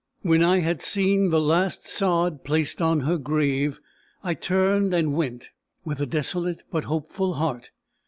When I had seen the last sod placed on her grave, I turned and went, with a desolate but hopeful heart.